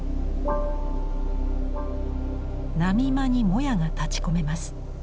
波間にもやが立ちこめます。